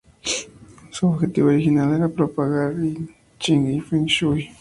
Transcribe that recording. Su objetivo original era propagar I Ching y Feng Shui.